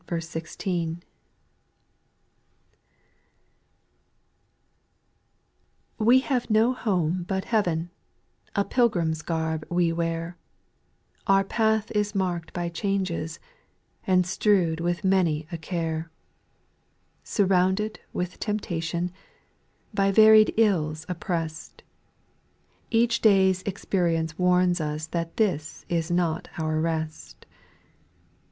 ^' T^/^^ ^^^^^^ home but heaven ;— a pilgrim's T f garb we wear ; Our path is marked by changes, and strewed with many a care ; Surrounded with temptation ; by varied ilia oppressed ; Each day's experience warns us that this is not our rest.